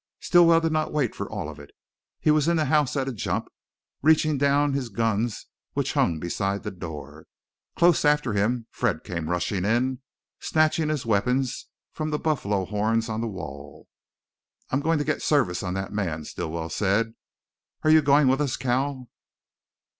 Stilwell did not wait for all of it. He was in the house at a jump, reaching down his guns which hung beside the door. Close after him Fred came rushing in, snatching his weapons from the buffalo horns on the wall. "I'm goin' to git service on that man!" Stilwell said. "Are you goin' with us, Cal?"